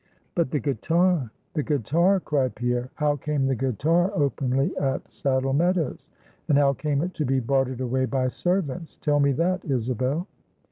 "But the guitar the guitar!" cried Pierre "how came the guitar openly at Saddle Meadows, and how came it to be bartered away by servants? Tell me that, Isabel!"